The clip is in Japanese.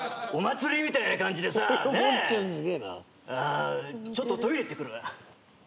あちょっとトイレ行ってくるわ。